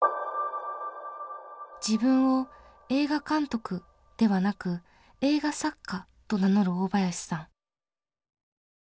自分を「映画監督」ではなく「映画作家」と名乗る大林さん。